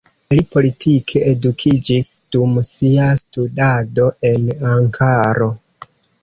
Li politike edukiĝis dum sia studado en Ankaro.